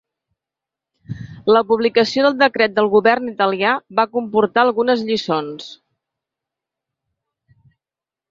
La publicació del decret del govern italià va comportar algunes lliçons.